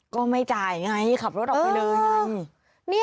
ก็ไม่จ่ายไงขับรถออกไปเลยไง